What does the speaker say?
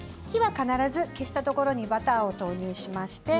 火は必ず消したところにバターを投入します。